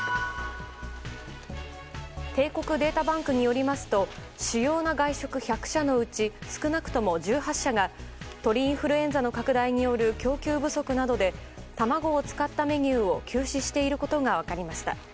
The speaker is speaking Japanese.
帝国データバンクによりますと主要な外食１００社のうち少なくとも１８社が鳥インフルエンザの拡大による供給不足などで卵を使ったメニューを休止していることが分かりました。